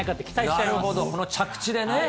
なるほど、この着地でね。